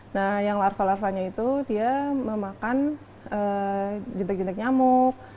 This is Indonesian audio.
nah yang larva larvanya itu dia memakan jentek jentek nyamuk